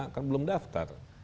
kan belum daftar